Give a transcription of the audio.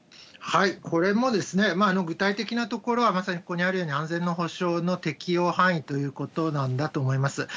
これもですね、具体的なところは、まさにここにあるように、安全の保証の適用範囲ということなんだと思います。